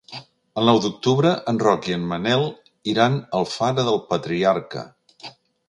El nou d'octubre en Roc i en Manel iran a Alfara del Patriarca.